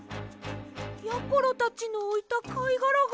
やころたちのおいたかいがらが。